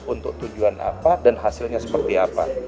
untuk tujuan apa dan hasilnya seperti apa